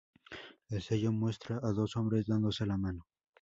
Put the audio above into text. El sello muestra a dos hombres dándose la mano.